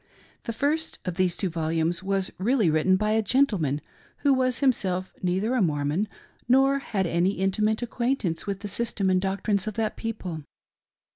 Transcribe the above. The first of these two volumes was really written by a gentleman who was himself neither a Mormon nor had any intimate acquaintance with the system and doc trinds of that people.